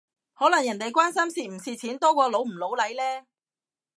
可能人哋關心蝕唔蝕錢多過老唔老嚟呢？